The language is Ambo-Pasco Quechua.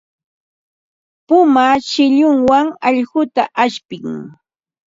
Puma shillunwan allquta ashpin.